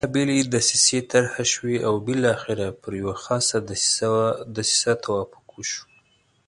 بېلابېلې دسیسې طرح شوې او بالاخره پر یوه خاصه دسیسه توافق وشو.